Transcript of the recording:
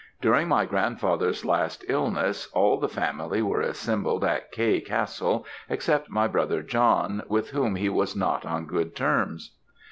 During my grandfather's last illness, all the family were assembled at K. Castle, except my brother John, with whom he was not on good terms.